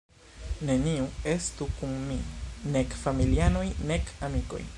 Neniu estu kun mi, nek familianoj nek amikoj.